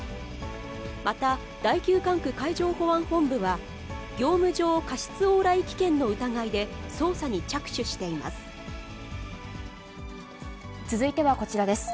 また、第９管区海上保安本部は、業務上過失往来危険の疑いで捜査に着手続いてはこちらです。